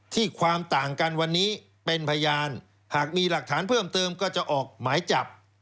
ที่ความต่างกันวันนี้เป็นพยานหากมีหลักฐานเพิ่มเติมก็จะออกหมายจับ